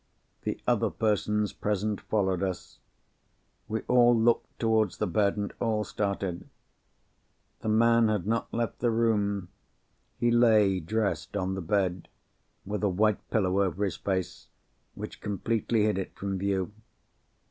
The other persons present followed us. We all looked towards the bed, and all started. The man had not left the room. He lay, dressed, on the bed—with a white pillow over his face, which completely hid it from view.